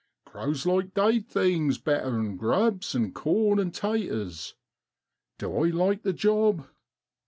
Crows like dade things better 'an grubs and corn an' taters. Du I like the job